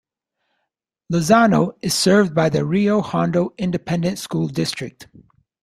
Lozano is served by the Rio Hondo Independent School District.